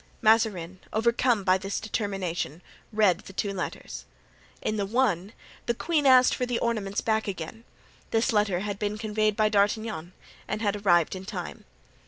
Mazarin, overcome by this determination, read the two letters. In one the queen asked for the ornaments back again. This letter had been conveyed by D'Artagnan and had arrived in time.